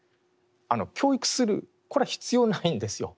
教育するこれは必要ないんですよ。